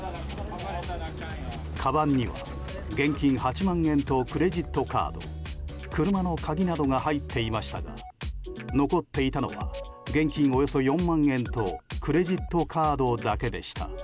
かばんには現金８万円とクレジットカード車の鍵などが入っていましたが残っていたのは現金およそ４万円とクレジットカードだけでした。